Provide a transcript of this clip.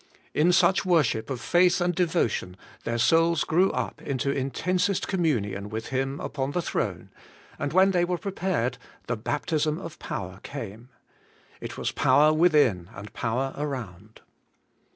In such worship of faith and devo tion their souls grew up into intensest communion with Him upon the throne, and when they were pre pared, the baptism of power came. It was power within and power around.